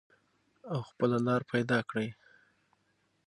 او خپله لار پیدا کړئ.